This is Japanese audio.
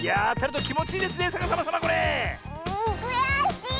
くやしい！